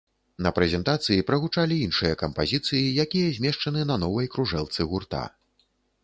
На прэзентацыі прагучалі іншыя кампазіцыі, якія змешчаны на новай кружэлцы гурта.